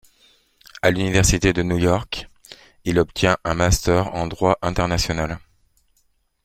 À l'université de New York, il obtient un master en droit international.